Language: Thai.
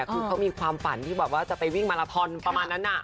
เขามีความฝันที่จะไปวิ่งมาลาทอนประมาณนั้นน่ะ